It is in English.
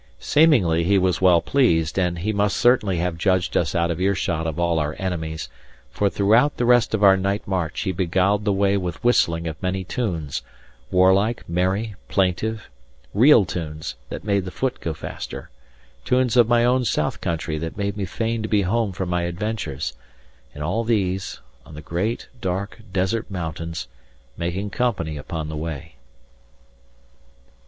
Seemingly he was well pleased, and he must certainly have judged us out of ear shot of all our enemies; for throughout the rest of our night march he beguiled the way with whistling of many tunes, warlike, merry, plaintive; reel tunes that made the foot go faster; tunes of my own south country that made me fain to be home from my adventures; and all these, on the great, dark, desert mountains, making company upon the way.